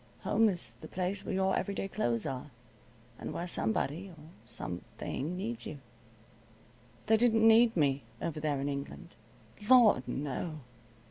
Home is the place where your everyday clothes are, and where somebody, or something needs you. They didn't need me over there in England. Lord no!